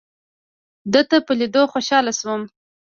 دده په لیدو خوشاله شوم.